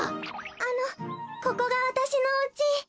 あのここがわたしのおうち。